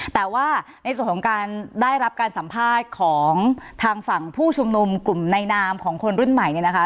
แต่ว่าในส่วนของการได้รับการสัมภาษณ์ของทางฝั่งผู้ชุมนุมกลุ่มในนามของคนรุ่นใหม่เนี่ยนะคะ